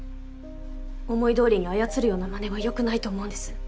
思い通りに操るような真似はよくないと思うんです。